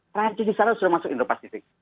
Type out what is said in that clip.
perancis di sana sudah masuk indo pasifik